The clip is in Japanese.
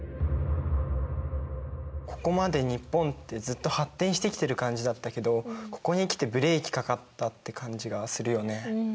ここまで日本ってずっと発展してきてる感じだったけどここに来てブレーキかかったって感じがするよね。